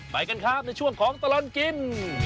ไปกันครับในช่วงของตลอดกิน